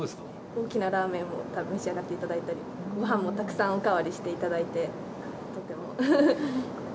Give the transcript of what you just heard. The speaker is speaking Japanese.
大きなラーメンを召し上がっていただいたりごはんもたくさんおかわりしていただいて。